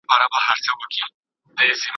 ارواپوهنه د ژبې تحلیل کې مرسته کوي.